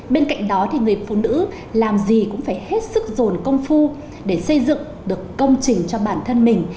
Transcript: bên cạnh đó thì người phụ nữ làm gì cũng phải hết sức dồn công phu để xây dựng được công trình cho bản thân mình